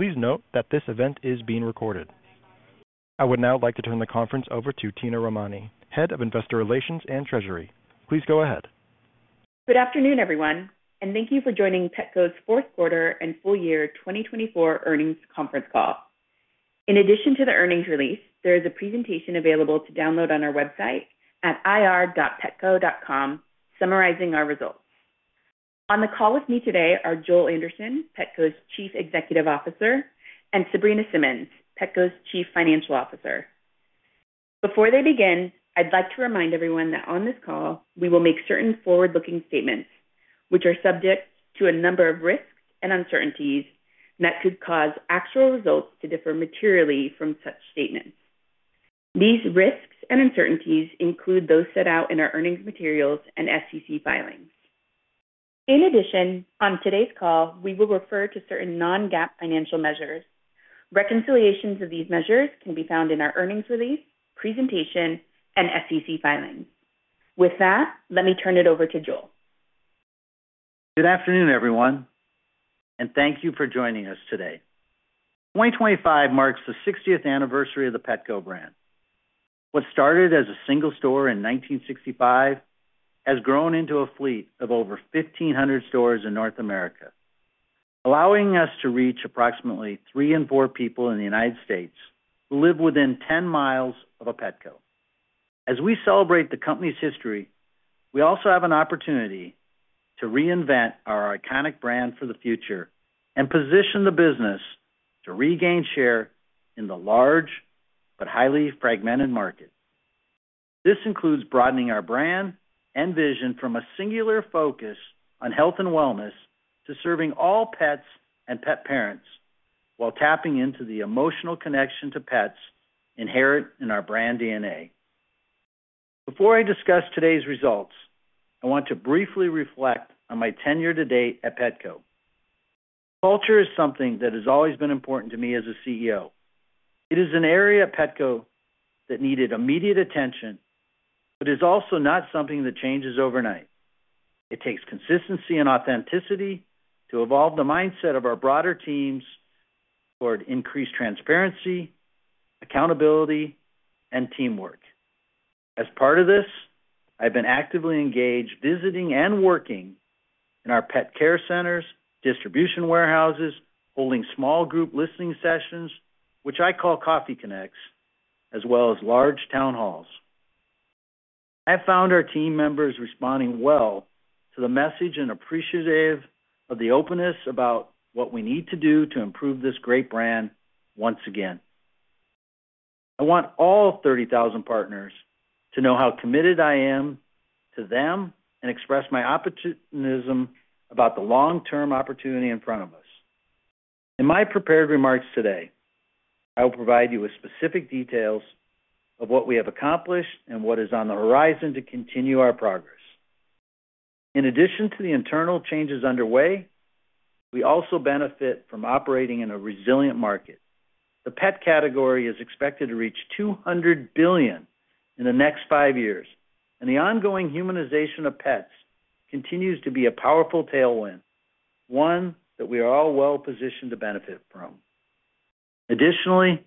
Please note that this event is being recorded. I would now like to turn the conference over to Tina Romani, Head of Investor Relations and Treasury. Please go ahead. Good afternoon, everyone, and thank you for joining Petco's Q4 and full year 2024 Earnings Conference Call. In addition to the earnings release, there is a presentation available to download on our website at ir.petco.com summarizing our results. On the call with me today are Joel Anderson, Petco's Chief Executive Officer, and Sabrina Simmons, Petco's Chief Financial Officer. Before they begin, I'd like to remind everyone that on this call we will make certain forward-looking statements, which are subject to a number of risks and uncertainties that could cause actual results to differ materially from such statements. These risks and uncertainties include those set out in our earnings materials and SEC filings. In addition, on today's call, we will refer to certain non-GAAP financial measures. Reconciliations of these measures can be found in our earnings release, presentation, and SEC filings. With that, let me turn it over to Joel. Good afternoon, everyone, and thank you for joining us today. 2025 marks the 60th anniversary of the Petco brand. What started as a single store in 1965 has grown into a fleet of over 1,500 stores in North America, allowing us to reach approximately three in four people in the United States who live within 10 miles of a Petco. As we celebrate the company's history, we also have an opportunity to reinvent our iconic brand for the future and position the business to regain share in the large but highly fragmented market. This includes broadening our brand and vision from a singular focus on health and wellness to serving all pets and pet parents while tapping into the emotional connection to pets inherent in our brand DNA. Before I discuss today's results, I want to briefly reflect on my tenure to date at Petco. Culture is something that has always been important to me as a CEO. It is an area at Petco that needed immediate attention but is also not something that changes overnight. It takes consistency and authenticity to evolve the mindset of our broader teams toward increased transparency, accountability, and teamwork. As part of this, I've been actively engaged visiting and working in our pet care centers, distribution warehouses, holding small group listening sessions, which I call Coffee Connects, as well as large town halls. I have found our team members responding well to the message and appreciative of the openness about what we need to do to improve this great brand once again. I want all 30,000 partners to know how committed I am to them and express my optimism about the long-term opportunity in front of us. In my prepared remarks today, I will provide you with specific details of what we have accomplished and what is on the horizon to continue our progress. In addition to the internal changes underway, we also benefit from operating in a resilient market. The pet category is expected to reach $200 billion in the next five years, and the ongoing humanization of pets continues to be a powerful tailwind, one that we are all well positioned to benefit from. Additionally,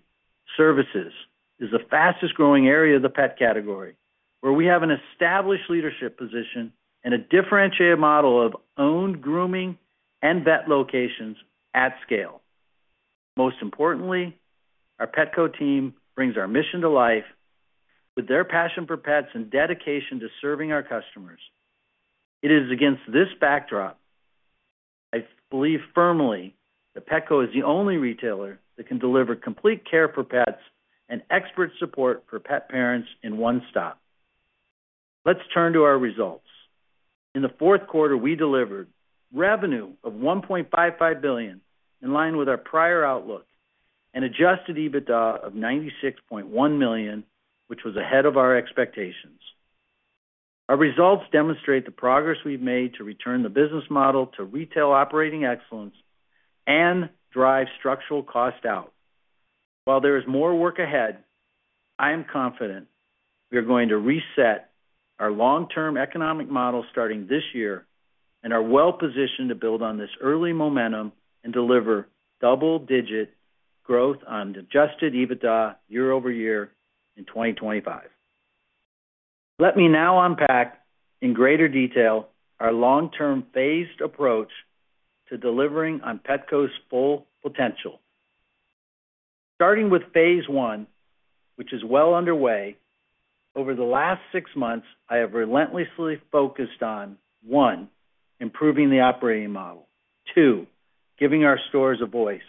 services is the fastest growing area of the pet category, where we have an established leadership position and a differentiated model of owned grooming and vet locations at scale. Most importantly, our Petco team brings our mission to life with their passion for pets and dedication to serving our customers. It is against this backdrop that I believe firmly that Petco is the only retailer that can deliver complete care for pets and expert support for pet parents in one stop. Let's turn to our results. In the Q4, we delivered revenue of $1.55 billion in line with our prior outlook and adjusted EBITDA of $96.1 million, which was ahead of our expectations. Our results demonstrate the progress we've made to return the business model to retail operating excellence and drive structural cost out. While there is more work ahead, I am confident we are going to reset our long-term economic model starting this year and are well positioned to build on this early momentum and deliver double-digit growth on adjusted EBITDA year over year in 2025. Let me now unpack in greater detail our long-term phased approach to delivering on Petco's full potential. Starting with phase I, which is well underway, over the last six months, I have relentlessly focused on: one, improving the operating model; two, giving our stores a voice;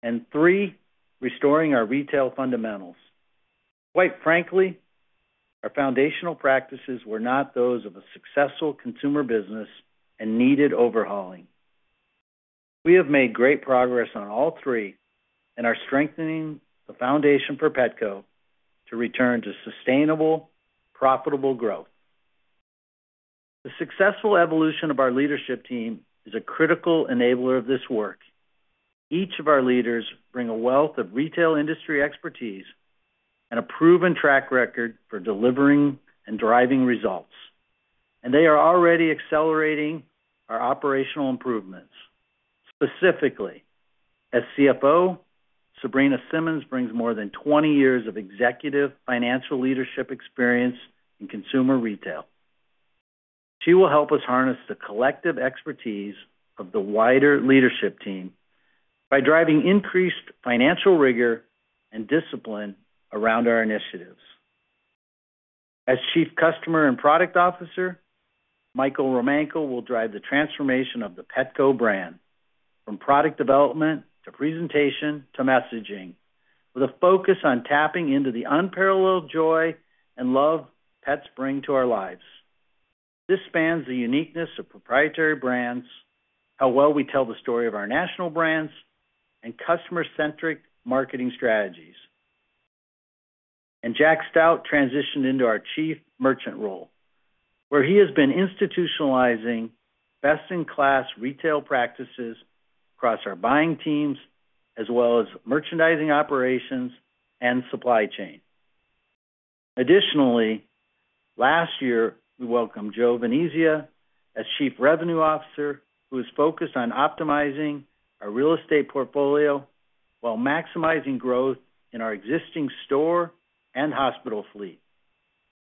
and three, restoring our retail fundamentals. Quite frankly, our foundational practices were not those of a successful consumer business and needed overhauling. We have made great progress on all three and are strengthening the foundation for Petco to return to sustainable, profitable growth. The successful evolution of our leadership team is a critical enabler of this work. Each of our leaders brings a wealth of retail industry expertise and a proven track record for delivering and driving results, and they are already accelerating our operational improvements. Specifically, as CFO, Sabrina Simmons brings more than 20 years of executive financial leadership experience in consumer retail. She will help us harness the collective expertise of the wider leadership team by driving increased financial rigor and discipline around our initiatives. As Chief Customer and Product Officer, Michael Romanko will drive the transformation of the Petco brand from product development to presentation to messaging, with a focus on tapping into the unparalleled joy and love pets bring to our lives. This spans the uniqueness of proprietary brands, how well we tell the story of our national brands, and customer-centric marketing strategies. Jack Stout transitioned into our Chief Merchant role, where he has been institutionalizing best-in-class retail practices across our buying teams as well as merchandising operations and supply chain. Additionally, last year, we welcomed Joe Venezia as Chief Revenue Officer, who is focused on optimizing our real estate portfolio while maximizing growth in our existing store and hospital fleet.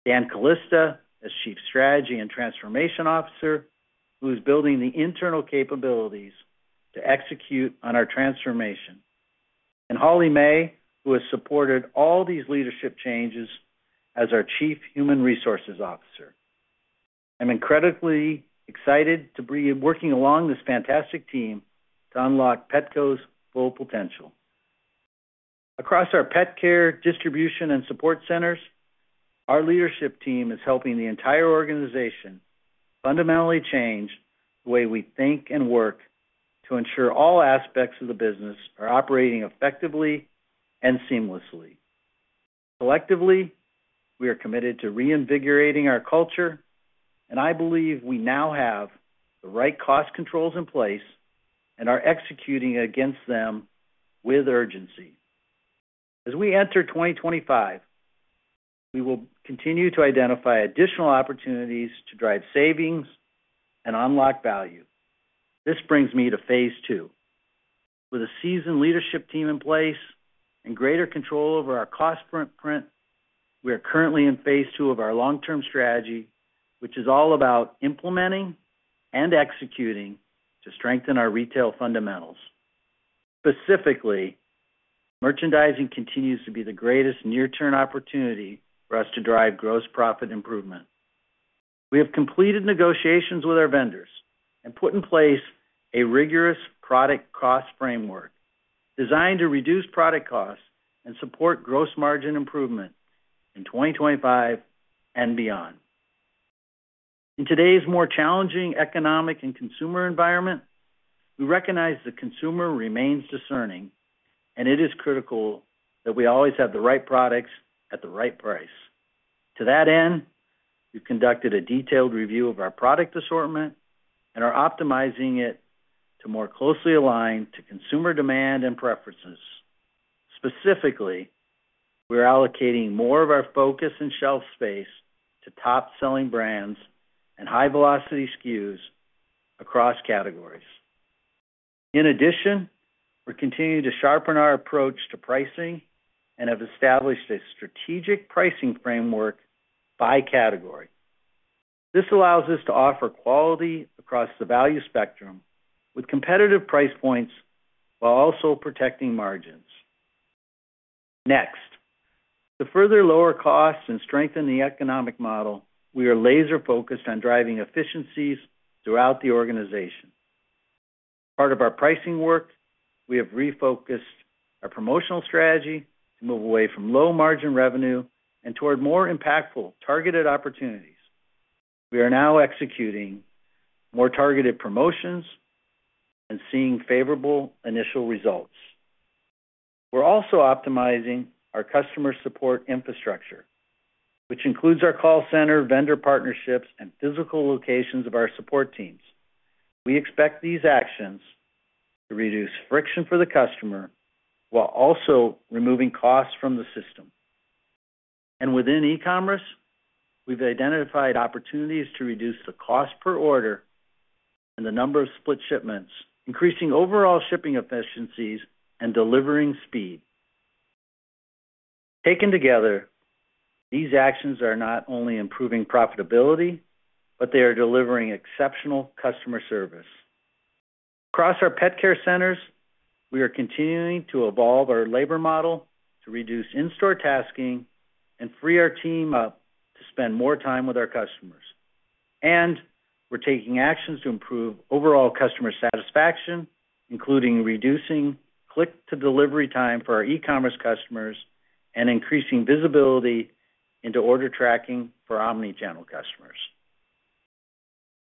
Dan Calista as Chief Strategy and Transformation Officer, who is building the internal capabilities to execute on our transformation. Holly May, who has supported all these leadership changes as our Chief Human Resources Officer. I'm incredibly excited to be working along this fantastic team to unlock Petco's full potential. Across our pet care, distribution, and support centers, our leadership team is helping the entire organization fundamentally change the way we think and work to ensure all aspects of the business are operating effectively and seamlessly. Collectively, we are committed to reinvigorating our culture, and I believe we now have the right cost controls in place and are executing against them with urgency. As we enter 2025, we will continue to identify additional opportunities to drive savings and unlock value. This brings me to phase II. With a seasoned leadership team in place and greater control over our cost footprint, we are currently in phase II of our long-term strategy, which is all about implementing and executing to strengthen our retail fundamentals. Specifically, merchandising continues to be the greatest near-term opportunity for us to drive gross profit improvement. We have completed negotiations with our vendors and put in place a rigorous product cost framework designed to reduce product costs and support gross margin improvement in 2025 and beyond. In today's more challenging economic and consumer environment, we recognize the consumer remains discerning, and it is critical that we always have the right products at the right price. To that end, we've conducted a detailed review of our product assortment and are optimizing it to more closely align to consumer demand and preferences. Specifically, we are allocating more of our focus and shelf space to top-selling brands and high-velocity SKUs across categories. In addition, we're continuing to sharpen our approach to pricing and have established a strategic pricing framework by category. This allows us to offer quality across the value spectrum with competitive price points while also protecting margins. Next, to further lower costs and strengthen the economic model, we are laser-focused on driving efficiencies throughout the organization. As part of our pricing work, we have refocused our promotional strategy to move away from low-margin revenue and toward more impactful targeted opportunities. We are now executing more targeted promotions and seeing favorable initial results. We're also optimizing our customer support infrastructure, which includes our call center, vendor partnerships, and physical locations of our support teams. We expect these actions to reduce friction for the customer while also removing costs from the system. Within e-commerce, we've identified opportunities to reduce the cost per order and the number of split shipments, increasing overall shipping efficiencies and delivering speed. Taken together, these actions are not only improving profitability, but they are delivering exceptional customer service. Across our pet care centers, we are continuing to evolve our labor model to reduce in-store tasking and free our team up to spend more time with our customers. We are taking actions to improve overall customer satisfaction, including reducing click-to-delivery time for our e-commerce customers and increasing visibility into order tracking for omnichannel customers.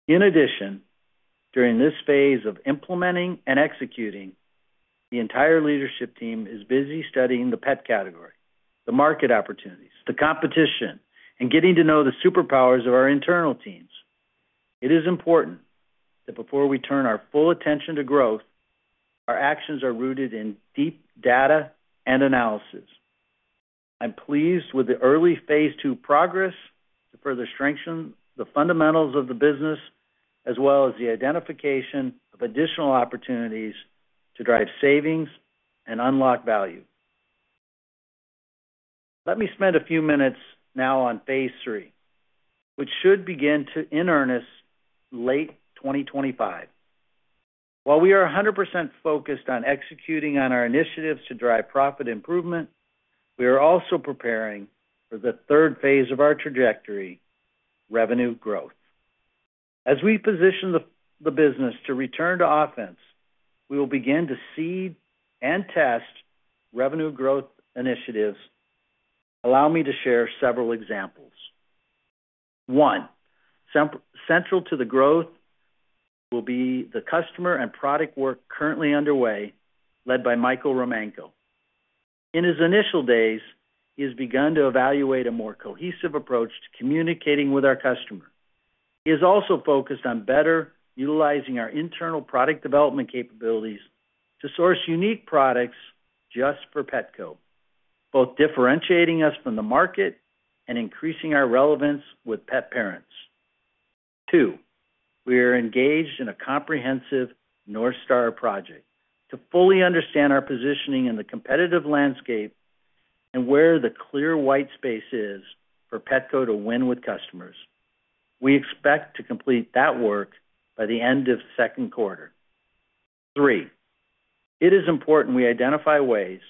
In addition, during this phase of implementing and executing, the entire leadership team is busy studying the pet category, the market opportunities, the competition, and getting to know the superpowers of our internal teams. It is important that before we turn our full attention to growth, our actions are rooted in deep data and analysis. I'm pleased with the early phase II progress to further strengthen the fundamentals of the business, as well as the identification of additional opportunities to drive savings and unlock value. Let me spend a few minutes now on phase III, which should begin in earnest late 2025. While we are 100% focused on executing on our initiatives to drive profit improvement, we are also preparing for the third phase of our trajectory, revenue growth. As we position the business to return to offense, we will begin to seed and test revenue growth initiatives. Allow me to share several examples. One, central to the growth will be the customer and product work currently underway, led by Michael Romanko. In his initial days, he has begun to evaluate a more cohesive approach to communicating with our customer. He is also focused on better utilizing our internal product development capabilities to source unique products just for Petco, both differentiating us from the market and increasing our relevance with pet parents. Two, we are engaged in a comprehensive North Star project to fully understand our positioning in the competitive landscape and where the clear white space is for Petco to win with customers. We expect to complete that work by the end of Q2. Three, it is important we identify ways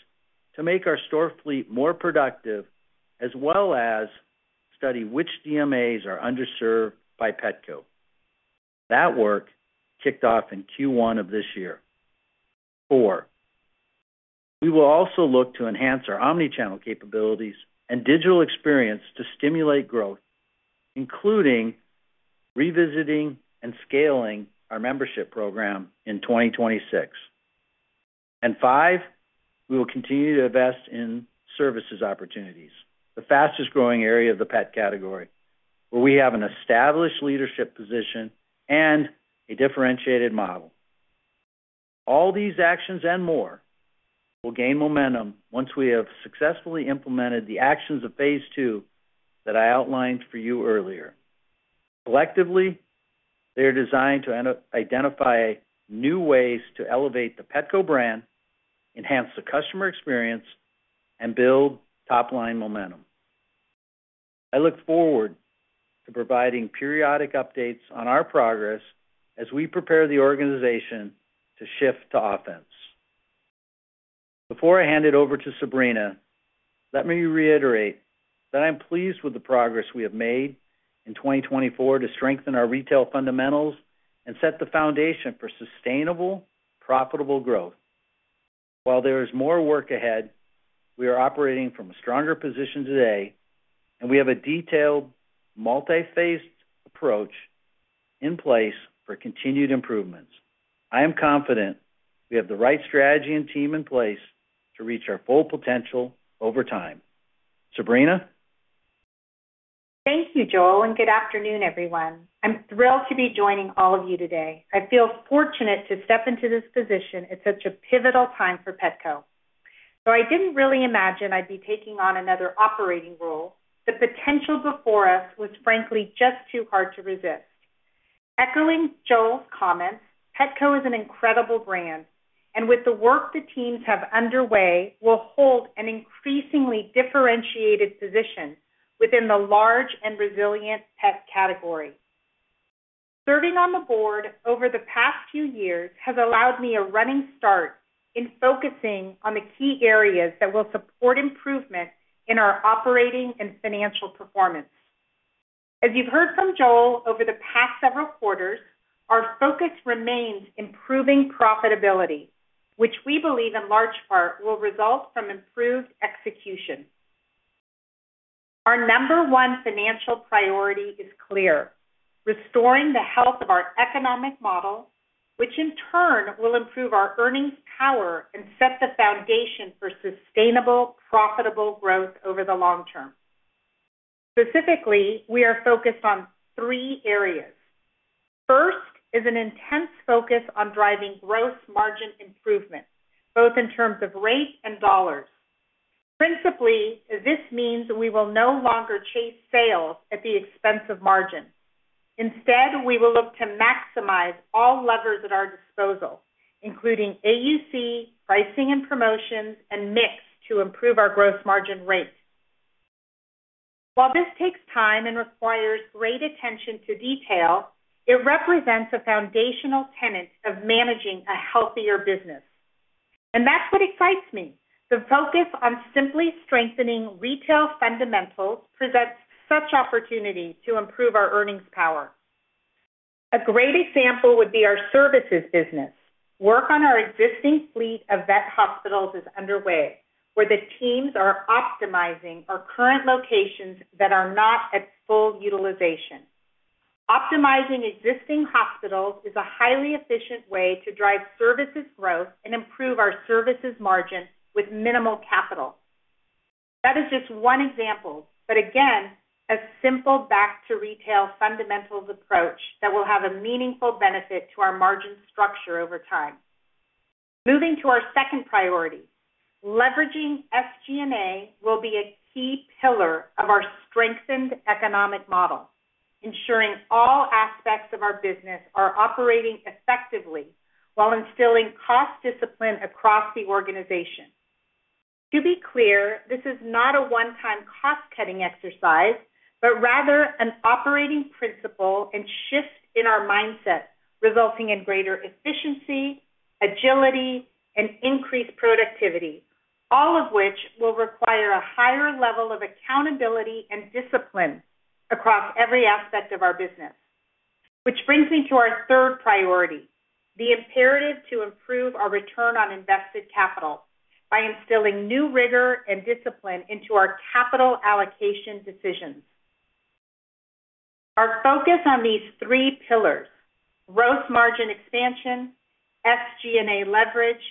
to make our store fleet more productive, as well as study which DMAs are underserved by Petco. That work kicked off in Q1 of this year. Four, we will also look to enhance our omnichannel capabilities and digital experience to stimulate growth, including revisiting and scaling our membership program in 2026. Five, we will continue to invest in services opportunities, the fastest growing area of the pet category, where we have an established leadership position and a differentiated model. All these actions and more will gain momentum once we have successfully implemented the actions of phase II that I outlined for you earlier. Collectively, they are designed to identify new ways to elevate the Petco brand, enhance the customer experience, and build top-line momentum. I look forward to providing periodic updates on our progress as we prepare the organization to shift to offense. Before I hand it over to Sabrina, let me reiterate that I'm pleased with the progress we have made in 2024 to strengthen our retail fundamentals and set the foundation for sustainable, profitable growth. While there is more work ahead, we are operating from a stronger position today, and we have a detailed multi-phased approach in place for continued improvements. I am confident we have the right strategy and team in place to reach our full potential over time. Sabrina? Thank you, Joel, and good afternoon, everyone. I'm thrilled to be joining all of you today. I feel fortunate to step into this position at such a pivotal time for Petco. Though I didn't really imagine I'd be taking on another operating role, the potential before us was frankly just too hard to resist. Echoing Joel's comments, Petco is an incredible brand, and with the work the teams have underway, we'll hold an increasingly differentiated position within the large and resilient pet category. Serving on the board over the past few years has allowed me a running start in focusing on the key areas that will support improvement in our operating and financial performance. As you've heard from Joel, over the past several quarters, our focus remains improving profitability, which we believe in large part will result from improved execution. Our number one financial priority is clear: restoring the health of our economic model, which in turn will improve our earnings power and set the foundation for sustainable, profitable growth over the long term. Specifically, we are focused on three areas. First is an intense focus on driving gross margin improvement, both in terms of rate and dollars. Principally, this means we will no longer chase sales at the expense of margin. Instead, we will look to maximize all levers at our disposal, including AUC, pricing and promotions, and mix to improve our gross margin rate. While this takes time and requires great attention to detail, it represents a foundational tenet of managing a healthier business. That is what excites me. The focus on simply strengthening retail fundamentals presents such opportunity to improve our earnings power. A great example would be our services business. Work on our existing fleet of vet hospitals is underway, where the teams are optimizing our current locations that are not at full utilization. Optimizing existing hospitals is a highly efficient way to drive services growth and improve our services margin with minimal capital. That is just one example, but again, a simple back-to-retail fundamentals approach that will have a meaningful benefit to our margin structure over time. Moving to our second priority, leveraging SG&A will be a key pillar of our strengthened economic model, ensuring all aspects of our business are operating effectively while instilling cost discipline across the organization. To be clear, this is not a one-time cost-cutting exercise, but rather an operating principle and shift in our mindset, resulting in greater efficiency, agility, and increased productivity, all of which will require a higher level of accountability and discipline across every aspect of our business. Which brings me to our third priority, the imperative to improve our return on invested capital by instilling new rigor and discipline into our capital allocation decisions. Our focus on these three pillars, gross margin expansion, SG&A leverage,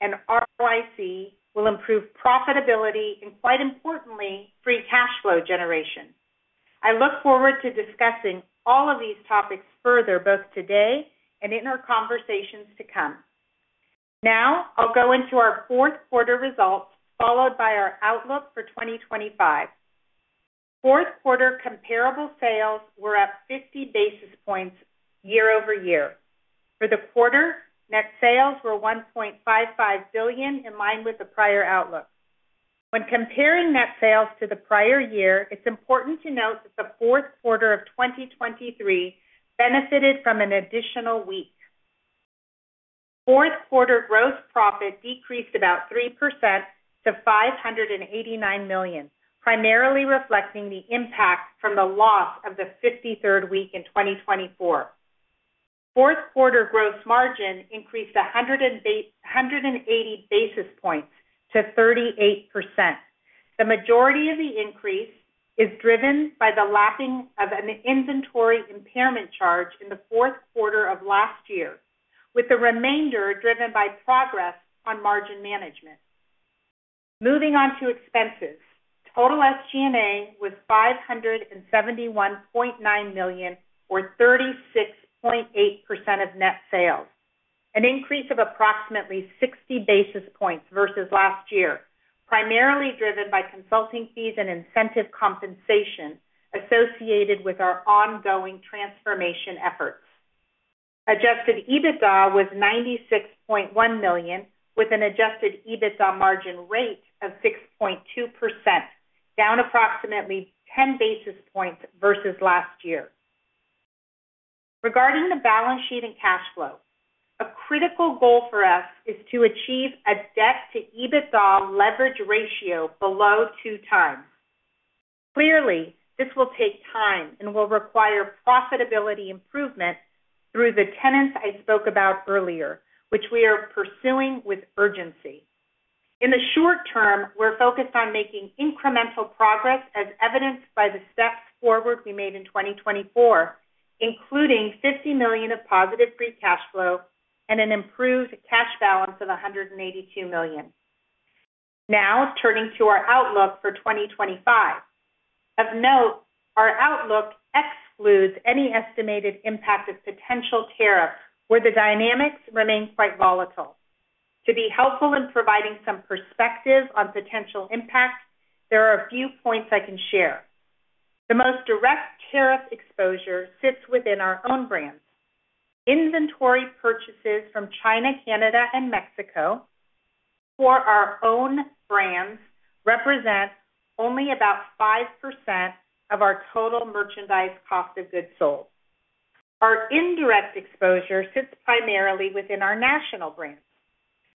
and ROIC, will improve profitability and, quite importantly, free cash flow generation. I look forward to discussing all of these topics further, both today and in our conversations to come. Now, I'll go into our Q4 results, followed by our outlook for 2025. Q4 comparable sales were up 50 basis points year over year. For the quarter, net sales were $1.55 billion, in line with the prior outlook. When comparing net sales to the prior year, it's important to note that the Q4 of 2023 benefited from an additional week. Q4 gross profit decreased about 3% to $589 million, primarily reflecting the impact from the loss of the 53rd week in 2024. Q4 gross margin increased 180 basis points to 38%. The majority of the increase is driven by the lapping of an inventory impairment charge in the Q4 of last year, with the remainder driven by progress on margin management. Moving on to expenses, total SG&A was $571.9 million, or 36.8% of net sales, an increase of approximately 60 basis points versus last year, primarily driven by consulting fees and incentive compensation associated with our ongoing transformation efforts. Adjusted EBITDA was $96.1 million, with an adjusted EBITDA margin rate of 6.2%, down approximately 10 basis points versus last year. Regarding the balance sheet and cash flow, a critical goal for us is to achieve a debt-to-EBITDA leverage ratio below two times. Clearly, this will take time and will require profitability improvement through the tenets I spoke about earlier, which we are pursuing with urgency. In the short term, we're focused on making incremental progress, as evidenced by the steps forward we made in 2024, including $50 million of positive free cash flow and an improved cash balance of $182 million. Now, turning to our outlook for 2025. Of note, our outlook excludes any estimated impact of potential tariffs, where the dynamics remain quite volatile. To be helpful in providing some perspective on potential impact, there are a few points I can share. The most direct tariff exposure sits within our own brands. Inventory purchases from China, Canada, and Mexico for our own brands represent only about 5% of our total merchandise cost of goods sold. Our indirect exposure sits primarily within our national brands.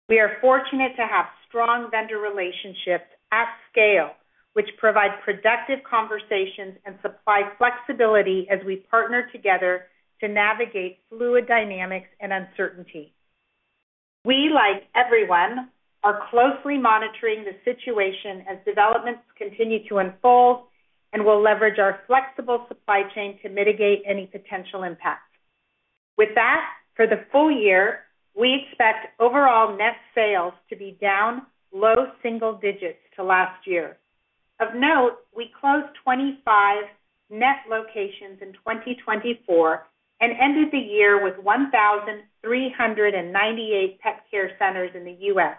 We are fortunate to have strong vendor relationships at scale, which provide productive conversations and supply flexibility as we partner together to navigate fluid dynamics and uncertainty. We, like everyone, are closely monitoring the situation as developments continue to unfold and will leverage our flexible supply chain to mitigate any potential impact. With that, for the full year, we expect overall net sales to be down low single digits to last year. Of note, we closed 25 net locations in 2024 and ended the year with 1,398 pet care centers in the US.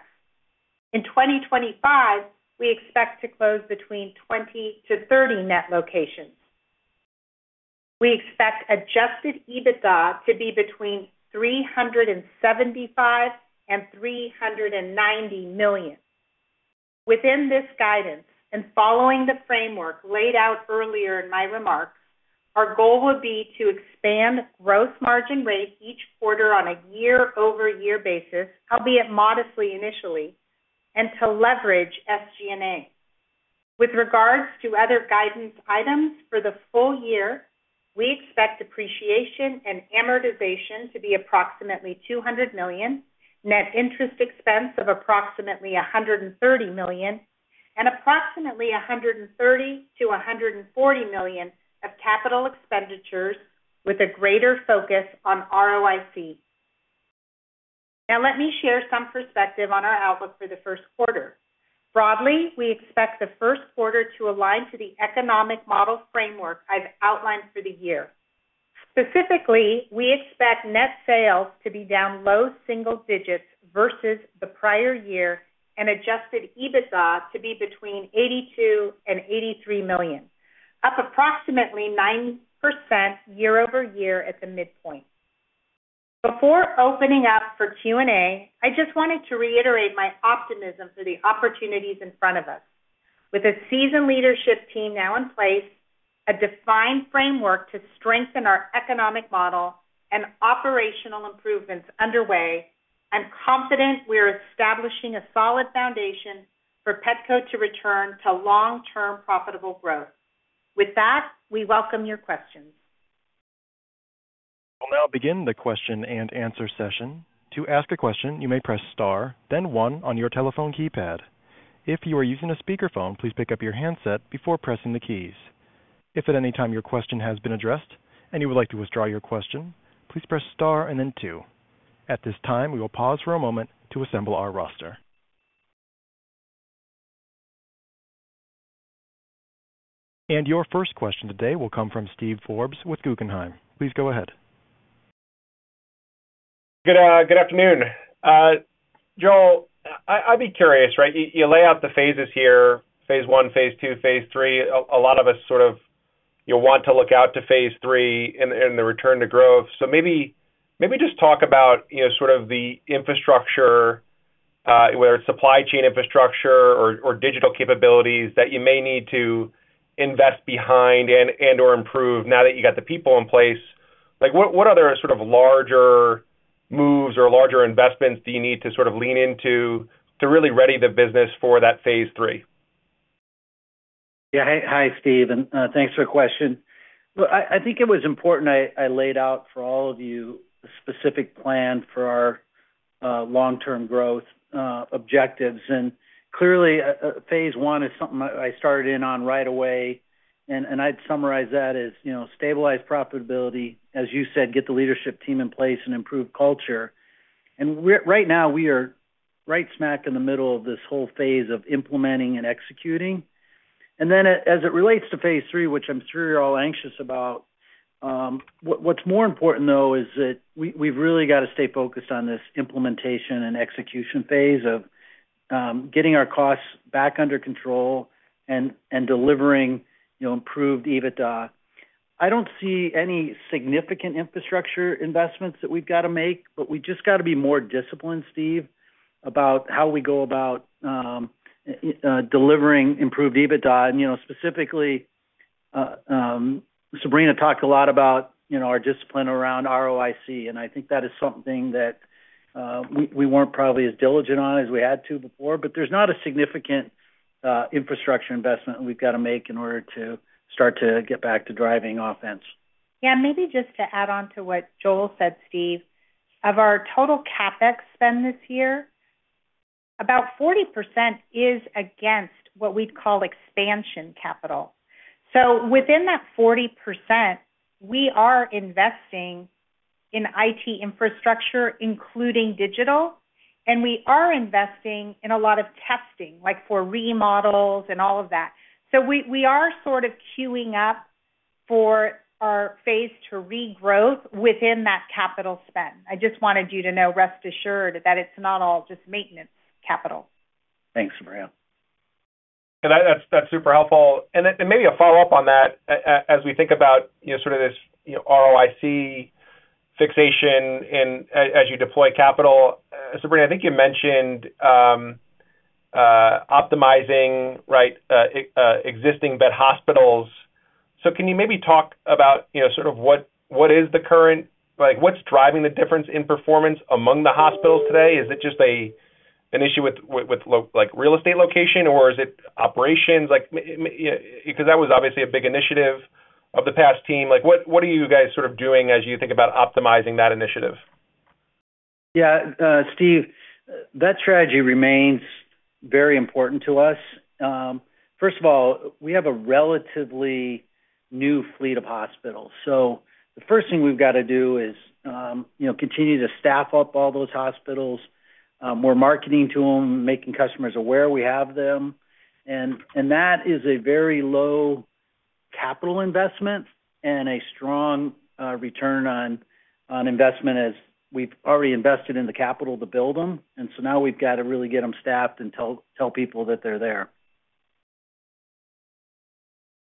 In 2025, we expect to close between 20-30 net locations. We expect adjusted EBITDA to be between $375 million-$390 million. Within this guidance and following the framework laid out earlier in my remarks, our goal will be to expand gross margin rate each quarter on a year-over-year basis, albeit modestly initially, and to leverage SG&A. With regards to other guidance items for the full year, we expect depreciation and amortization to be approximately $200 million, net interest expense of approximately $130 million, and approximately $130-$140 million of capital expenditures, with a greater focus on ROIC. Now, let me share some perspective on our outlook for the Q1. Broadly, we expect the Q1 to align to the economic model framework I've outlined for the year. Specifically, we expect net sales to be down low single digits versus the prior year and adjusted EBITDA to be between $82 and $83 million, up approximately 9% year-over-year at the midpoint. Before opening up for Q&A, I just wanted to reiterate my optimism for the opportunities in front of us. With a seasoned leadership team now in place, a defined framework to strengthen our economic model, and operational improvements underway, I'm confident we're establishing a solid foundation for Petco to return to long-term profitable growth. With that, we welcome your questions. I'll now begin the question and answer session. To ask a question, you may press Star, then 1 on your telephone keypad. If you are using a speakerphone, please pick up your handset before pressing the keys. If at any time your question has been addressed and you would like to withdraw your question, please press Star and then 2. At this time, we will pause for a moment to assemble our roster. Your first question today will come from Steve Forbes with Guggenheim. Please go ahead. Good afternoon. Joel, I'd be curious, right? You lay out the phases here, phase I, phase II, phase III. A lot of us sort of want to look out to phase III and the return to growth. Maybe just talk about sort of the infrastructure, whether it's supply chain infrastructure or digital capabilities that you may need to invest behind and/or improve now that you got the people in place. What other sort of larger moves or larger investments do you need to sort of lean into to really ready the business for that phase III? Yeah. Hi, Steve. Thanks for the question. I think it was important I laid out for all of you a specific plan for our long-term growth objectives. Clearly, phase I is something I started in on right away. I'd summarize that as stabilize profitability, as you said, get the leadership team in place, and improve culture. Right now, we are right smack in the middle of this whole phase of implementing and executing. As it relates to phase III, which I am sure you are all anxious about, what is more important, though, is that we have really got to stay focused on this implementation and execution phase of getting our costs back under control and delivering improved EBITDA. I do not see any significant infrastructure investments that we have got to make, but we just have to be more disciplined, Steve, about how we go about delivering improved EBITDA. Specifically, Sabrina talked a lot about our discipline around ROIC. I think that is something that we were not probably as diligent on as we had to be before. There is not a significant infrastructure investment we have got to make in order to start to get back to driving offense. Yeah. Maybe just to add on to what Joel said, Steve, of our total CapEx spend this year, about 40% is against what we'd call expansion capital. Within that 40%, we are investing in IT infrastructure, including digital. We are investing in a lot of testing, like for remodels and all of that. We are sort of queuing up for our phase to regrowth within that capital spend. I just wanted you to know, rest assured, that it's not all just maintenance capital. Thanks, Sabrina. That's super helpful. Maybe a follow-up on that, as we think about sort of this ROIC fixation and as you deploy capital. Sabrina, I think you mentioned optimizing existing vet hospitals. Can you maybe talk about sort of what is the current what's driving the difference in performance among the hospitals today? Is it just an issue with real estate location, or is it operations? Because that was obviously a big initiative of the past team. What are you guys sort of doing as you think about optimizing that initiative? Yeah. Steve, that strategy remains very important to us. First of all, we have a relatively new fleet of hospitals. The first thing we've got to do is continue to staff up all those hospitals, more marketing to them, making customers aware we have them. That is a very low capital investment and a strong return on investment, as we've already invested in the capital to build them. Now we've got to really get them staffed and tell people that they're there.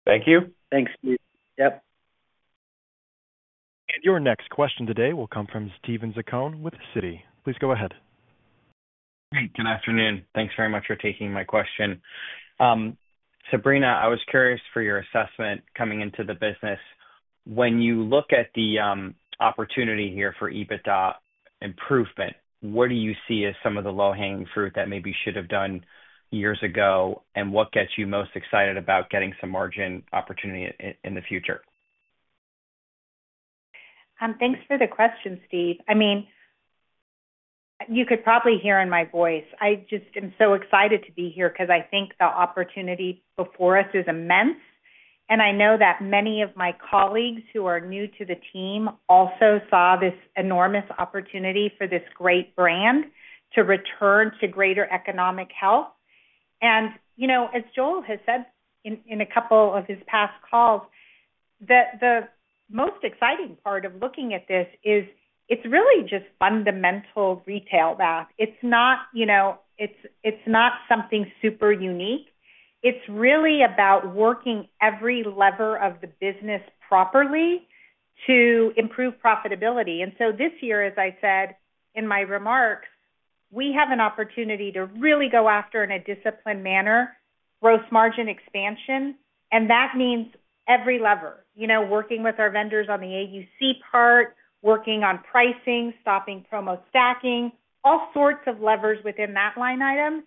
Thank you. Thanks, Steve. Yep. Your next question today will come from Steven Zaccone with Citi. Please go ahead. Hey, good afternoon. Thanks very much for taking my question. Sabrina, I was curious for your assessment coming into the business. When you look at the opportunity here for EBITDA improvement, what do you see as some of the low-hanging fruit that maybe should have done years ago, and what gets you most excited about getting some margin opportunity in the future? Thanks for the question, Steve. I mean, you could probably hear in my voice. I just am so excited to be here because I think the opportunity before us is immense. I know that many of my colleagues who are new to the team also saw this enormous opportunity for this great brand to return to greater economic health. As Joel has said in a couple of his past calls, the most exciting part of looking at this is it's really just fundamental retail math. It's not something super unique. It's really about working every lever of the business properly to improve profitability. This year, as I said in my remarks, we have an opportunity to really go after, in a disciplined manner, gross margin expansion. That means every lever, working with our vendors on the AUC part, working on pricing, stopping promo stacking, all sorts of levers within that line item.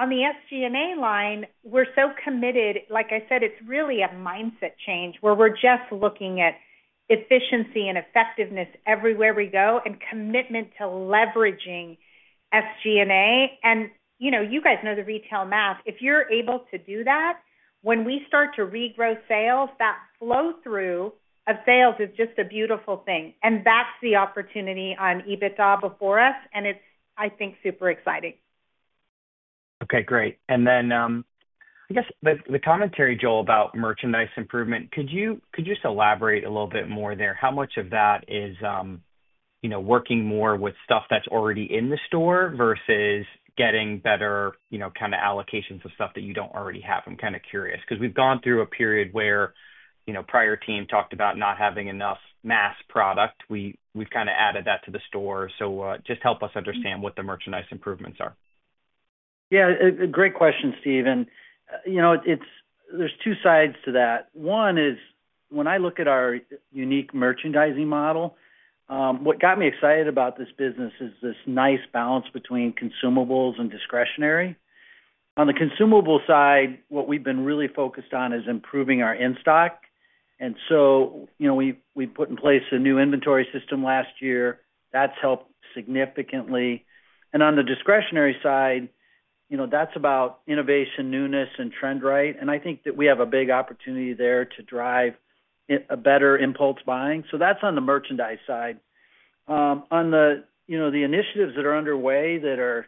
On the SG&A line, we're so committed. Like I said, it's really a mindset change where we're just looking at efficiency and effectiveness everywhere we go and commitment to leveraging SG&A. You guys know the retail math. If you're able to do that, when we start to regrow sales, that flow-through of sales is just a beautiful thing. That's the opportunity on EBITDA before us. I think it's super exciting. Okay. Great. I guess the commentary, Joel, about merchandise improvement, could you just elaborate a little bit more there? How much of that is working more with stuff that's already in the store versus getting better kind of allocations of stuff that you don't already have? I'm kind of curious because we've gone through a period where prior team talked about not having enough mass product. We've kind of added that to the store. Just help us understand what the merchandise improvements are. Yeah. Great question, Steve. There's two sides to that. One is, when I look at our unique merchandising model, what got me excited about this business is this nice balance between consumables and discretionary. On the consumable side, what we've been really focused on is improving our in-stock. We put in place a new inventory system last year. That's helped significantly. On the discretionary side, that's about innovation, newness, and trend, right? I think that we have a big opportunity there to drive a better impulse buying. That's on the merchandise side. On the initiatives that are underway that are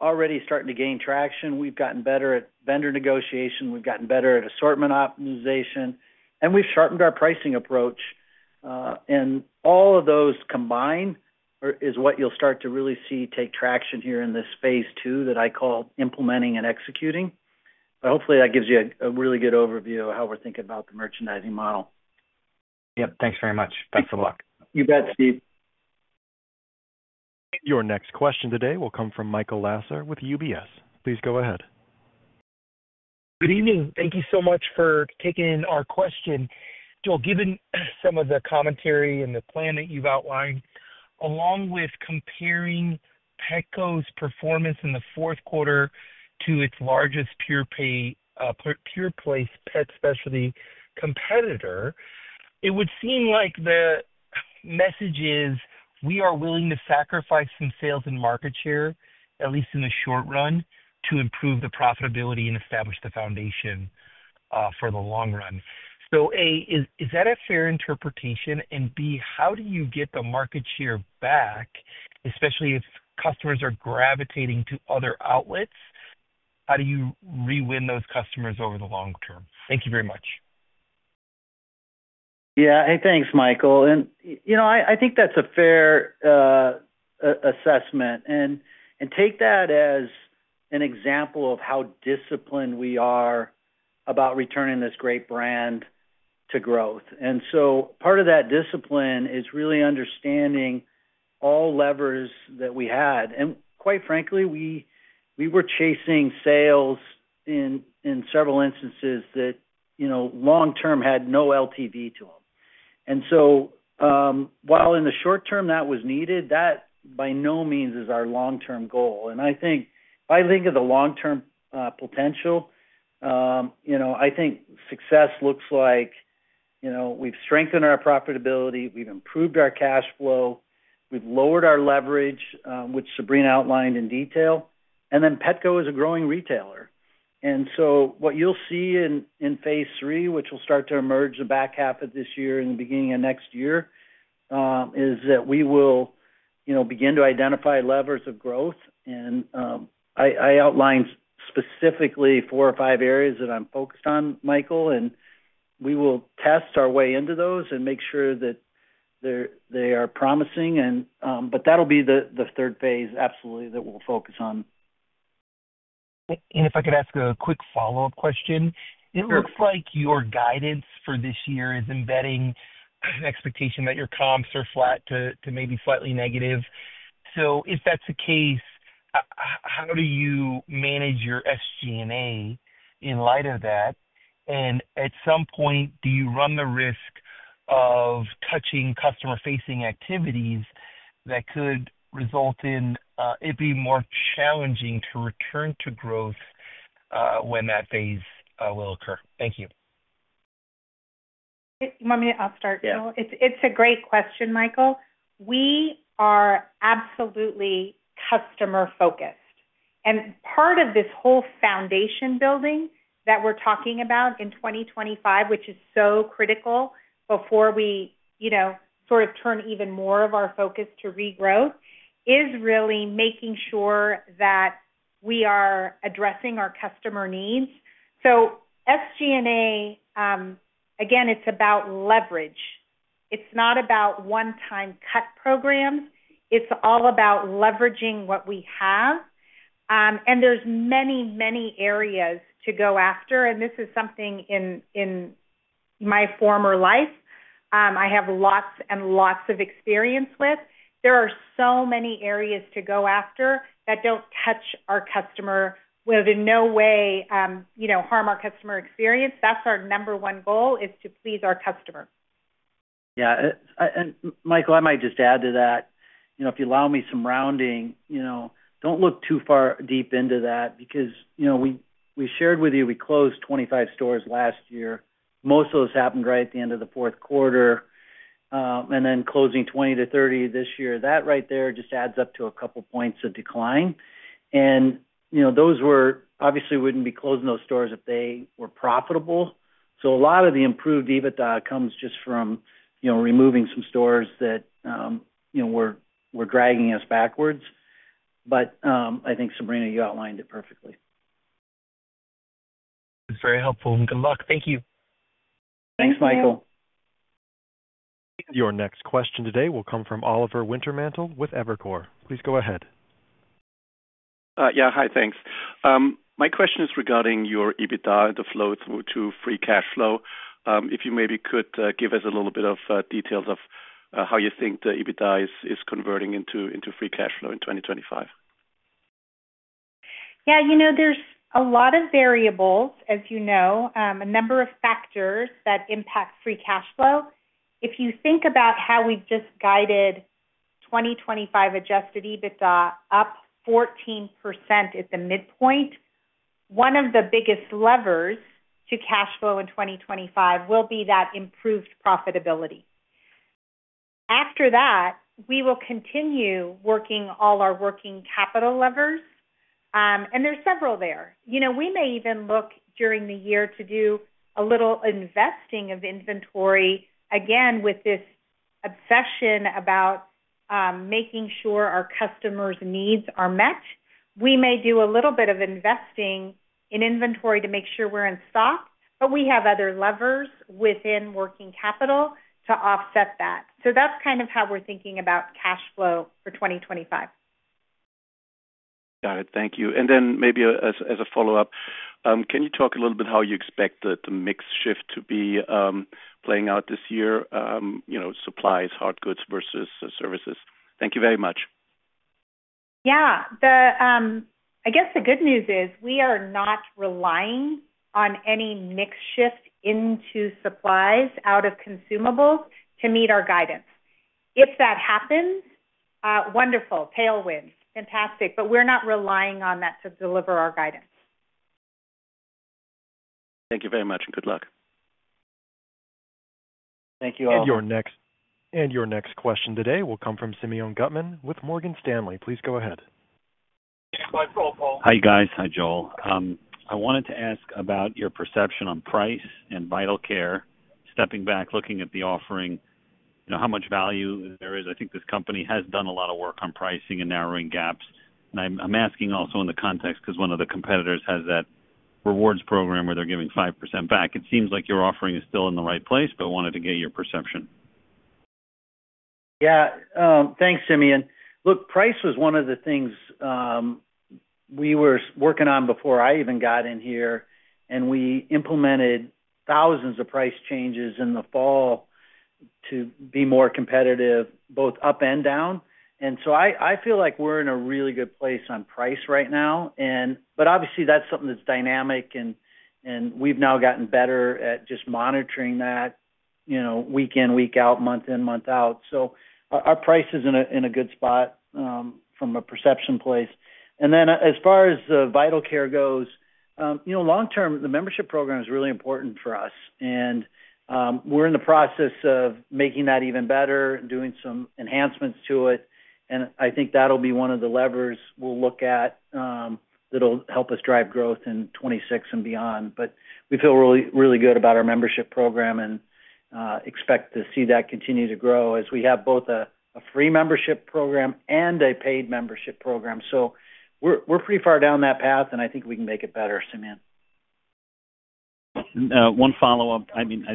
already starting to gain traction, we've gotten better at vendor negotiation. We've gotten better at assortment optimization. We've sharpened our pricing approach. All of those combined is what you'll start to really see take traction here in this phase II that I call implementing and executing. Hopefully, that gives you a really good overview of how we're thinking about the merchandising model. Yep. Thanks very much. Best of luck. You bet, Steve. Your next question today will come from Michael Lasser with UBS. Please go ahead. Good evening. Thank you so much for taking our question. Joel, given some of the commentary and the plan that you've outlined, along with comparing Petco's performance in the Q4 to its largest pure-play pet specialty competitor, it would seem like the message is we are willing to sacrifice some sales and market share, at least in the short run, to improve the profitability and establish the foundation for the long run. A, is that a fair interpretation? B, how do you get the market share back, especially if customers are gravitating to other outlets? How do you rewin those customers over the long term? Thank you very much. Yeah. Hey, thanks, Michael. I think that's a fair assessment. Take that as an example of how disciplined we are about returning this great brand to growth. Part of that discipline is really understanding all levers that we had. Quite frankly, we were chasing sales in several instances that long-term had no LTV to them. While in the short term that was needed, that by no means is our long-term goal. I think if I think of the long-term potential, I think success looks like we have strengthened our profitability. We have improved our cash flow. We have lowered our leverage, which Sabrina outlined in detail. Petco is a growing retailer. What you will see in phase III, which will start to emerge the back half of this year and the beginning of next year, is that we will begin to identify levers of growth. I outlined specifically four or five areas that I am focused on, Michael. We will test our way into those and make sure that they are promising. That will be the third phase, absolutely, that we will focus on. If I could ask a quick follow-up question. It looks like your guidance for this year is embedding an expectation that your comps are flat to maybe slightly negative. If that's the case, how do you manage your SG&A in light of that? At some point, do you run the risk of touching customer-facing activities that could result in it being more challenging to return to growth when that phase will occur? Thank you. You want me to, I'll start, Joel? It's a great question, Michael. We are absolutely customer-focused. Part of this whole foundation building that we're talking about in 2025, which is so critical before we sort of turn even more of our focus to regrowth, is really making sure that we are addressing our customer needs. SG&A, again, it's about leverage. It's not about one-time cut programs. It's all about leveraging what we have. There are many, many areas to go after. This is something in my former life I have lots and lots of experience with. There are so many areas to go after that do not touch our customer, in no way harm our customer experience. That is our number one goal, to please our customer. Yeah. Michael, I might just add to that, if you allow me some rounding, do not look too far deep into that because we shared with you we closed 25 stores last year. Most of those happened right at the end of the Q4. Closing 20-30 this year, that right there just adds up to a couple points of decline. We obviously would not be closing those stores if they were profitable. A lot of the improved EBITDA comes just from removing some stores that were dragging us backwards. I think, Sabrina, you outlined it perfectly. That's very helpful. Good luck. Thank you. Thanks, Michael. Your next question today will come from Oliver Wintermantle with Evercore. Please go ahead. Yeah. Hi. Thanks. My question is regarding your EBITDA and the flow through to free cash flow. If you maybe could give us a little bit of details of how you think the EBITDA is converting into free cash flow in 2025. Yeah. There are a lot of variables, as you know, a number of factors that impact free cash flow. If you think about how we just guided 2025 adjusted EBITDA up 14% at the midpoint, one of the biggest levers to cash flow in 2025 will be that improved profitability. After that, we will continue working all our working capital levers. There are several there. We may even look during the year to do a little investing of inventory, again, with this obsession about making sure our customers' needs are met. We may do a little bit of investing in inventory to make sure we are in stock. We have other levers within working capital to offset that. That is kind of how we are thinking about cash flow for 2025. Got it. Thank you. Maybe as a follow-up, can you talk a little bit how you expect the mix shift to be playing out this year, supplies, hard goods versus services? Thank you very much. Yeah. I guess the good news is we are not relying on any mix shift into supplies out of consumables to meet our guidance. If that happens, wonderful. Tailwinds. Fantastic. We're not relying on that to deliver our guidance. Thank you very much. Good luck. Thank you, Oli. Your next question today will come from Simeon Gutman with Morgan Stanley. Please go ahead. Hi, guys. Hi, Joel. I wanted to ask about your perception on price and Vital Care, stepping back, looking at the offering, how much value there is. I think this company has done a lot of work on pricing and narrowing gaps. I'm asking also in the context because one of the competitors has that rewards program where they're giving 5% back. It seems like your offering is still in the right place, but I wanted to get your perception. Yeah. Thanks, Simeon. Look, price was one of the things we were working on before I even got in here. We implemented thousands of price changes in the fall to be more competitive both up and down. I feel like we're in a really good place on price right now. Obviously, that's something that's dynamic. We've now gotten better at just monitoring that week in, week out, month in, month out. Our price is in a good spot from a perception place. As far as the Vital Care goes, long-term, the membership program is really important for us. We're in the process of making that even better and doing some enhancements to it. I think that'll be one of the levers we'll look at that'll help us drive growth in 2026 and beyond. We feel really good about our membership program and expect to see that continue to grow as we have both a free membership program and a paid membership program. We are pretty far down that path. I think we can make it better, Simeon. One follow-up. I mean,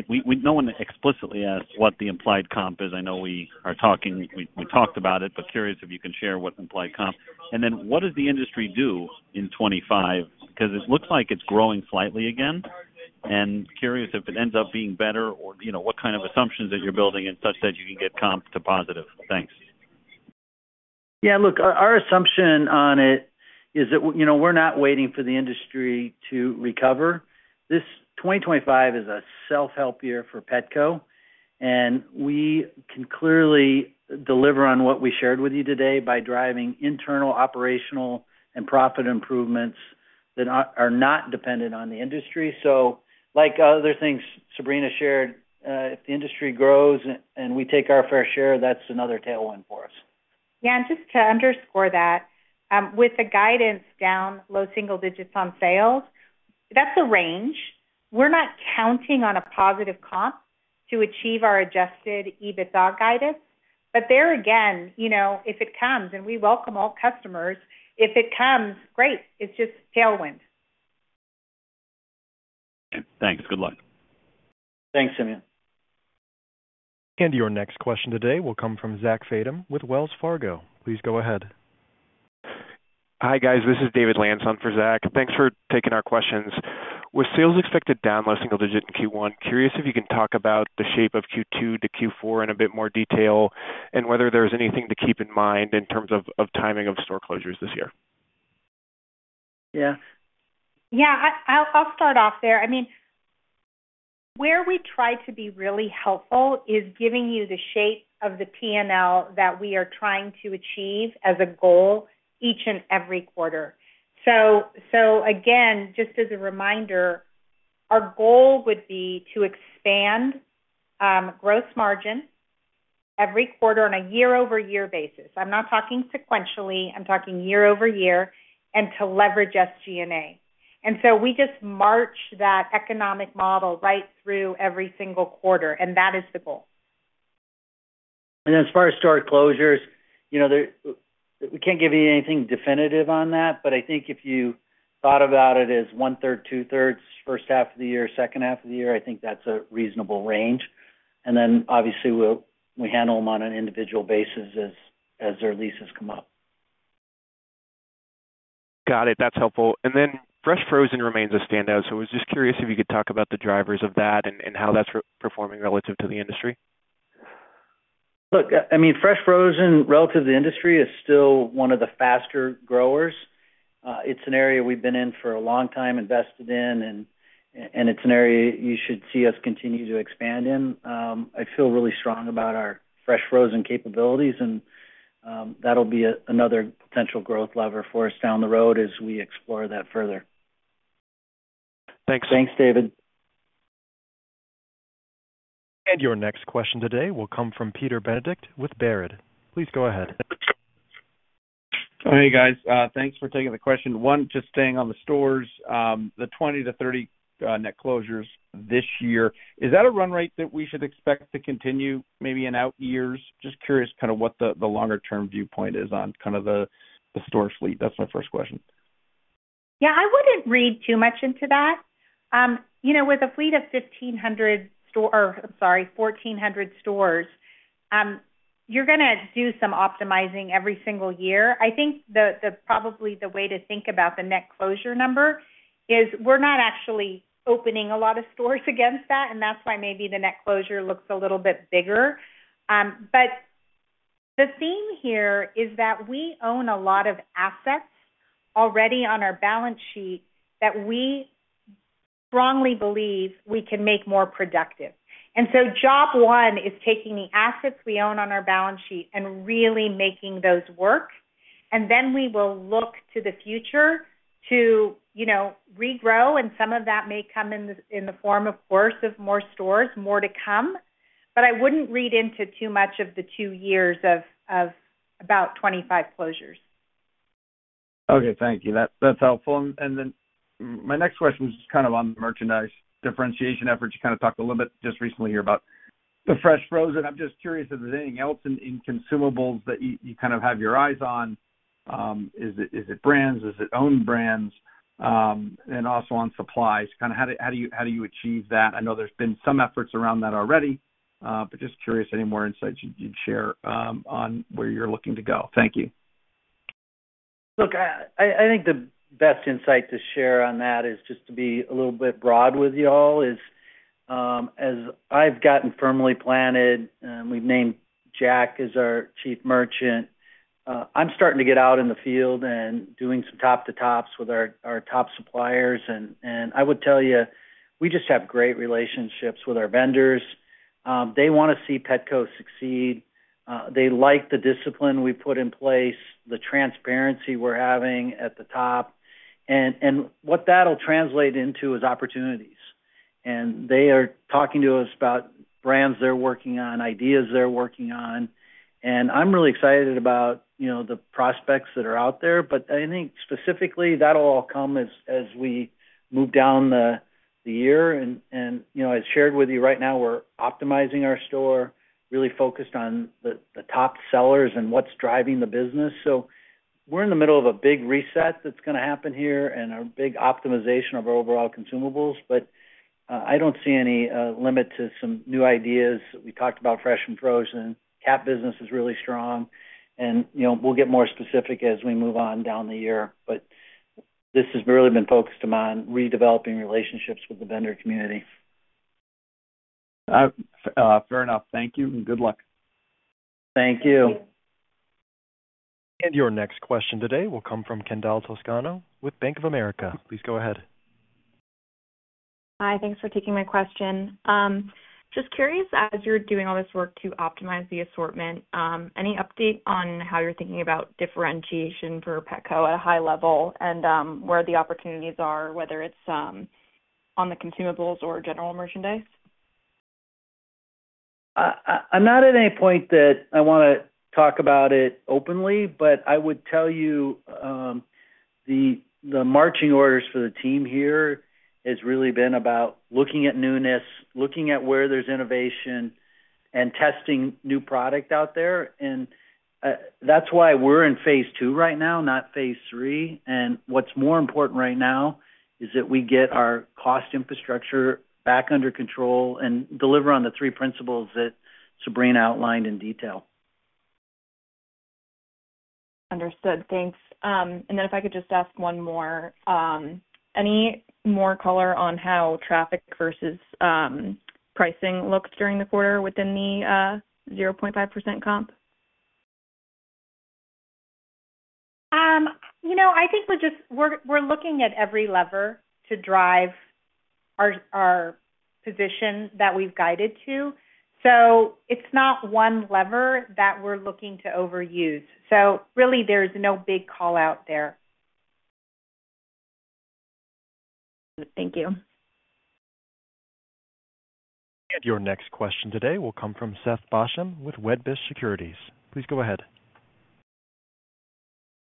no one explicitly asked what the implied comp is. I know we are talking. We talked about it, but curious if you can share what the implied comp is. What does the industry do in 2025? It looks like it is growing slightly again. Curious if it ends up being better or what kind of assumptions you are building in such that you can get comp to positive. Thanks. Yeah. Look, our assumption on it is that we are not waiting for the industry to recover. This 2025 is a self-help year for Petco. We can clearly deliver on what we shared with you today by driving internal operational and profit improvements that are not dependent on the industry. Like other things Sabrina shared, if the industry grows and we take our fair share, that's another tailwind for us. Yeah. Just to underscore that, with the guidance down low single digits on sales, that's a range. We're not counting on a positive comp to achieve our adjusted EBITDA guidance. There again, if it comes—and we welcome all customers—if it comes, great. It's just tailwind. Okay. Thanks. Good luck. Thanks, Simeon. Your next question today will come from Zach Fadem with Wells Fargo. Please go ahead. Hi, guys. This is David Lantz for Zach. Thanks for taking our questions. Was sales expected down low single digit in Q1? Curious if you can talk about the shape of Q2 to Q4 in a bit more detail and whether there's anything to keep in mind in terms of timing of store closures this year. Yeah Yeah. I'll start off there. I mean, where we try to be really helpful is giving you the shape of the P&L that we are trying to achieve as a goal each and every quarter. Just as a reminder, our goal would be to expand gross margin every quarter on a year-over-year basis. I'm not talking sequentially. I'm talking year-over-year and to leverage SG&A. We just march that economic model right through every single quarter. That is the goal. As far as store closures, we can't give you anything definitive on that. I think if you thought about it as one-third, two-thirds, first half of the year, second half of the year, I think that's a reasonable range. Obviously, we handle them on an individual basis as their leases come up. Got it. That's helpful. fresh frozen remains a standout. I was just curious if you could talk about the drivers of that and how that's performing relative to the industry. Look, I mean, fresh frozen, relative to the industry, is still one of the faster growers. It's an area we've been in for a long time, invested in. It's an area you should see us continue to expand in. I feel really strong about our fresh frozen capabilities. That'll be another potential growth lever for us down the road as we explore that further. Thanks. Thanks, David. Your next question today will come from Peter Benedict with Baird. Please go ahead. Hey, guys. Thanks for taking the question. One, just staying on the stores, the 20-30 net closures this year, is that a run rate that we should expect to continue maybe in out years? Just curious kind of what the longer-term viewpoint is on kind of the store fleet. That's my first question. Yeah. I wouldn't read too much into that. With a fleet of 1,500 stores—I'm sorry, 1,400 stores—you're going to do some optimizing every single year. I think probably the way to think about the net closure number is we're not actually opening a lot of stores against that. And that's why maybe the net closure looks a little bit bigger. The theme here is that we own a lot of assets already on our balance sheet that we strongly believe we can make more productive. Job one is taking the assets we own on our balance sheet and really making those work. We will look to the future to regrow. Some of that may come in the form, of course, of more stores, more to come. I would not read into too much of the two years of about 25 closures. Okay. Thank you. That is helpful. My next question was just kind of on merchandise differentiation efforts. You kind of talked a little bit just recently here about the fresh frozen. I am just curious if there is anything else in consumables that you kind of have your eyes on. Is it brands? Is it owned brands? Also on supplies, kind of how do you achieve that? I know there's been some efforts around that already. Just curious, any more insights you'd share on where you're looking to go. Thank you. I think the best insight to share on that is just to be a little bit broad with y'all. As I've gotten firmly planted, and we've named Jack as our Chief Merchant, I'm starting to get out in the field and doing some top-to-tops with our top suppliers. I would tell you, we just have great relationships with our vendors. They want to see Petco succeed. They like the discipline we put in place, the transparency we're having at the top. What that'll translate into is opportunities. They are talking to us about brands they're working on, ideas they're working on. I'm really excited about the prospects that are out there. I think specifically, that'll all come as we move down the year. As shared with you, right now, we're optimizing our store, really focused on the top sellers and what's driving the business. We're in the middle of a big reset that's going to happen here and a big optimization of our overall consumables. I don't see any limit to some new ideas. We talked about Fresh Frozen. Cat business is really strong. We'll get more specific as we move on down the year. This has really been focused on redeveloping relationships with the vendor community. Fair enough. Thank you. Good luck. Thank you. Your next question today will come from Kendall Toscano with Bank of America. Please go ahead. Hi. Thanks for taking my question. Just curious, as you're doing all this work to optimize the assortment, any update on how you're thinking about differentiation for Petco at a high level and where the opportunities are, whether it's on the consumables or general merchandise? I'm not at any point that I want to talk about it openly. I would tell you the marching orders for the team here has really been about looking at newness, looking at where there's innovation, and testing new product out there. That's why we're in phase II right now, not phase III. What's more important right now is that we get our cost infrastructure back under control and deliver on the three principles that Sabrina outlined in detail. Understood. Thanks. If I could just ask one more, any more color on how traffic versus pricing looks during the quarter within the 0.5% comp? I think we're looking at every lever to drive our position that we've guided to. It's not one lever that we're looking to overuse. There is no big callout there. Thank you. Your next question today will come from Seth Basham with Wedbush Securities. Please go ahead.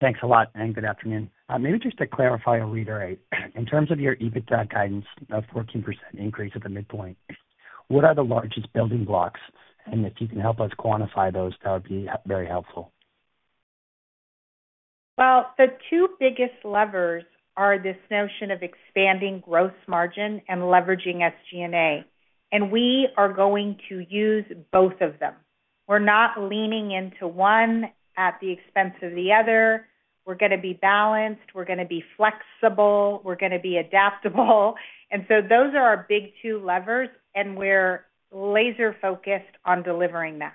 Thanks a lot. Good afternoon. Maybe just to clarify or reiterate, in terms of your EBITDA guidance, a 14% increase at the midpoint, what are the largest building blocks? If you can help us quantify those, that would be very helpful. The two biggest levers are this notion of expanding gross margin and leveraging SG&A. We are going to use both of them. We're not leaning into one at the expense of the other. We're going to be balanced. We're going to be flexible. We're going to be adaptable. Those are our big two levers. We're laser-focused on delivering that.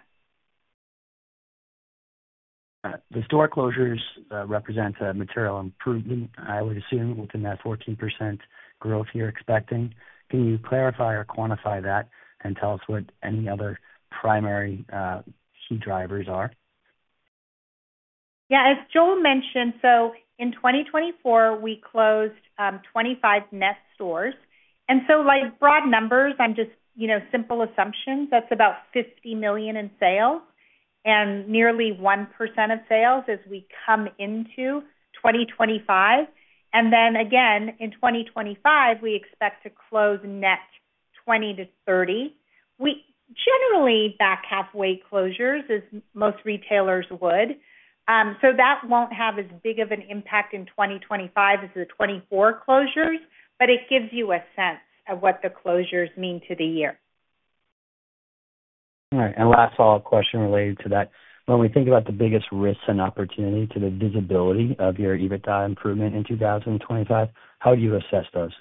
The store closures represent a material improvement, I would assume, within that 14% growth you're expecting. Can you clarify or quantify that and tell us what any other primary key drivers are? Yeah. As Joel mentioned, in 2024, we closed 25 net stores. Broad numbers, just simple assumptions, that's about $50 million in sales and nearly 1% of sales as we come into 2025. In 2025, we expect to close net 20-30, generally back-halfway closures as most retailers would. That will not have as big of an impact in 2025 as the 2024 closures. It gives you a sense of what the closures mean to the year. All right. Last follow-up question related to that. When we think about the biggest risks and opportunity to the visibility of your EBITDA improvement in 2025, how do you assess those?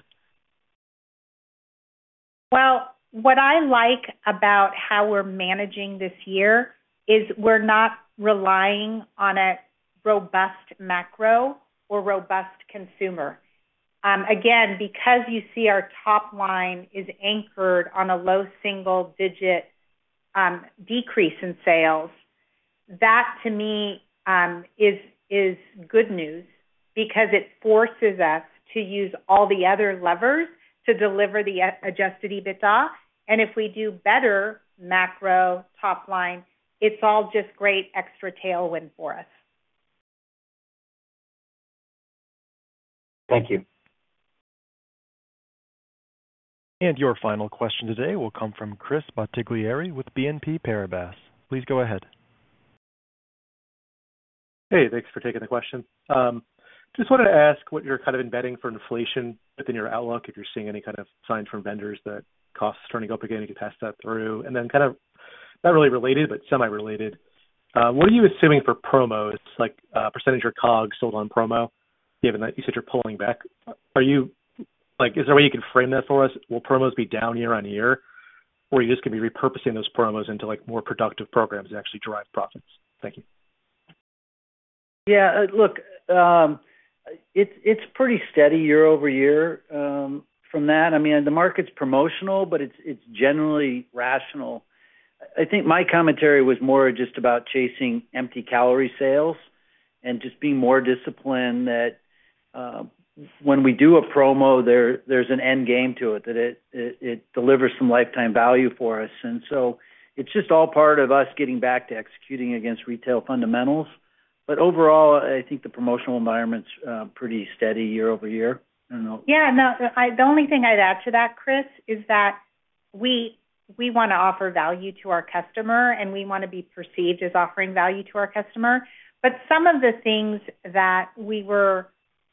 What I like about how we're managing this year is we're not relying on a robust macro or robust consumer. Again, because you see our top line is anchored on a low single-digit decrease in sales, that to me is good news because it forces us to use all the other levers to deliver the adjusted EBITDA. If we do better macro top line, it's all just great extra tailwind for us. Thank you. Your final question today will come from Chris Bottiglieri with BNP Paribas. Please go ahead. Hey, thanks for taking the question. Just wanted to ask what you're kind of embedding for inflation within your outlook, if you're seeing any kind of signs from vendors that costs turning up again, you can pass that through. And then kind of not really related, but semi-related. What are you assuming for promos, like percentage or COGS sold on promo, given that you said you're pulling back? Is there a way you can frame that for us? Will promos be down year on year, or you just can be repurposing those promos into more productive programs that actually drive profits? Thank you. Yeah. Look, it's pretty steady year over year from that. I mean, the market's promotional, but it's generally rational. I think my commentary was more just about chasing empty calorie sales and just being more disciplined that when we do a promo, there's an end game to it, that it delivers some lifetime value for us. It is just all part of us getting back to executing against retail fundamentals. Overall, I think the promotional environment's pretty steady year over year. I don't know. Yeah. No, the only thing I'd add to that, Chris, is that we want to offer value to our customer, and we want to be perceived as offering value to our customer. Some of the things that we were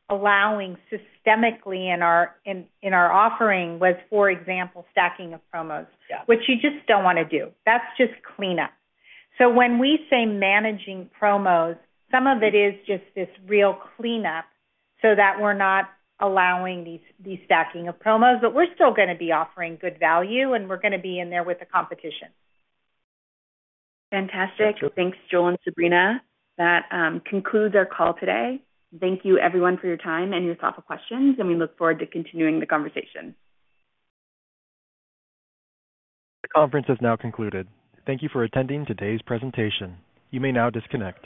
allowing systemically in our offering was, for example, stacking of promos, which you just don't want to do. That is just cleanup. When we say managing promos, some of it is just this real cleanup so that we're not allowing the stacking of promos. We are still going to be offering good value, and we are going to be in there with the competition. Fantastic. Thanks, Joel and Sabrina. That concludes our call today. Thank you, everyone, for your time and your thoughtful questions. We look forward to continuing the conversation. The conference has now concluded. Thank you for attending today's presentation. You may now disconnect.